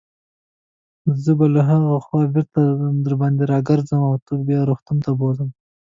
زه به له هاخوا بیرته درباندې راګرځم او تا به روغتون ته بوزم.